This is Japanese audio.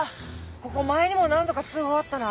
ここ前にも何度か通報あったな。